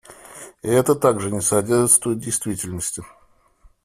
И это также не соответствует действительности.